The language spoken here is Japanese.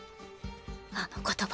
あの言葉。